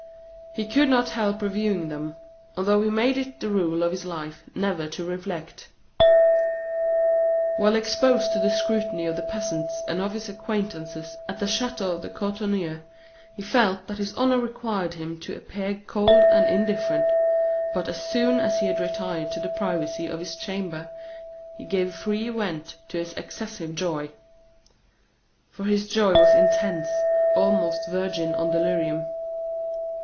He could not help reviewing them, although he made it the rule of his life never to reflect. While exposed to the scrutiny of the peasants and of his acquaintances at the Chateau de Courtornieu, he felt that his honor required him to appear cold and indifferent, but as soon as he had retired to the privacy of his own chamber, he gave free vent to his excessive joy. For his joy was intense, almost verging on delirium.